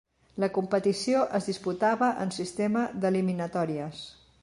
La competició es disputava en sistema d'eliminatòries.